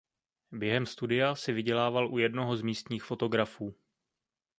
Během studia si vydělával u jednoho z místních fotografů.